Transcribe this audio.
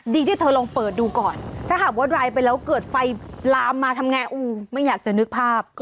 ดีที่เธอลองเปิดดูก่อนถ้าทำงานเผาเลยเกิดไฟรามมาทำไงมันอยากจะนึกภาพ